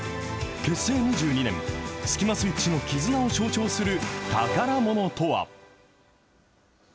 結成２２年、スキマスイッチの絆を象徴する宝ものとは。